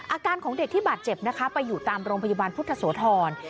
อาการของเด็กที่บาดเจ็บนะคะไปอยู่ตามโรงพยาบาลพุทธโสธร